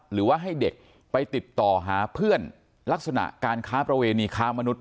หรือว่าให้เด็กไปติดต่อหาเพื่อนลักษณะการค้าประเวณีค้ามนุษย